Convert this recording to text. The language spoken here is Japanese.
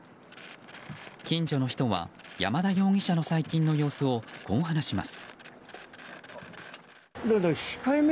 近所の人は山田容疑者の最近の様子をこう話します。